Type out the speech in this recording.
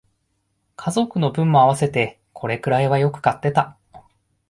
家族の分も合わせてこれくらいはよく買ってた